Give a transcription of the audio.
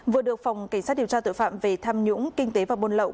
vừa được phòng cảnh sát điều tra tội phạm về tham nhũng kinh tế và buôn lậu